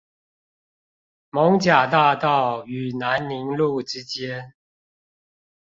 艋舺大道與南寧路之間